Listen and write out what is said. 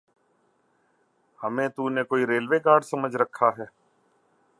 ہمیں تو نے کوئی ریلوے گارڈ سمجھ رکھا ہے؟